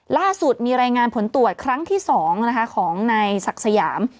ล่าสุดมีรายงานผลตรวจครั้งที่๒ของนายศักดิ์สยาม